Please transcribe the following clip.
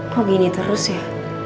kok gini terus ya